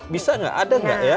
bisa gak ada gak ya